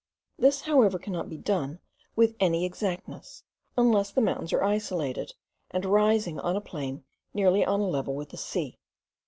This, however, cannot be done with any exactness, unless the mountains are isolated, and rising on a plain nearly on a level with the sea.